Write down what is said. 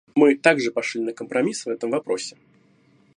Мы также пошли на компромисс в этом вопросе.